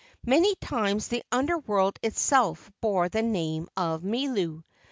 Many times the Under world itself bore the name of Milu.